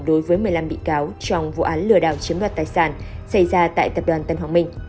đối với một mươi năm bị cáo trong vụ án lừa đảo chiếm đoạt tài sản xảy ra tại tập đoàn tân hoàng minh